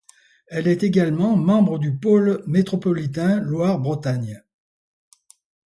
Elle est également membre du pôle métropolitain Loire-Bretagne.